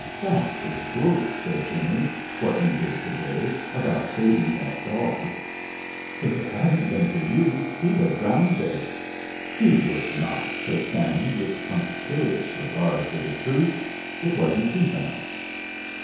"That was bully," said Jimmie, "what you did to day about saving that dog. If it hadn't been for you he'd ha' drownded." "He would not!" said Sammy with punctilious regard for the truth; "it wasn't deep enough."